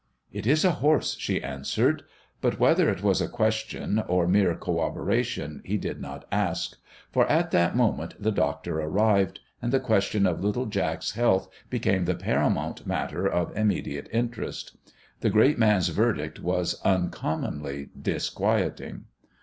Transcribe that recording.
"It is a horse," she answered. But whether it was a question or mere corroboration he did not ask, for at that moment the doctor arrived, and the question of little Jack's health became the paramount matter of immediate interest. The great man's verdict was uncommonly disquieting.